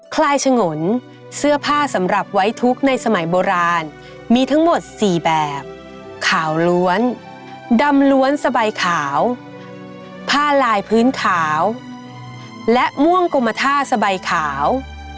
คลายฉงนเสื้อผ้าสำหรับไว้ทุกข์ในสมัยโบราณมีทั้งหมด๔แบบขาวล้วนดำล้วนสบายขาวผ้าลายพื้นขาวและม่วงกรมท่าสบายขาว